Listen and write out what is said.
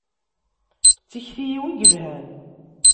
D tikti-iw i yelhan.